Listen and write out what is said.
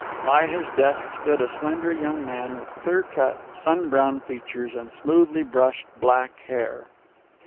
By his desk stood a slender young man with clear cut, sun browned features and smoothly brushed black hair.